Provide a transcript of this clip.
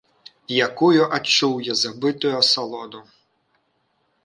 Якую адчуў я забытую асалоду!